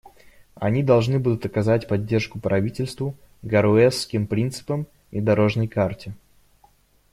Они должны будут оказать поддержку правительству, «Гароуэсским принципам» и «дорожной карте».